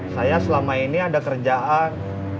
saya selama ini ada kerjaan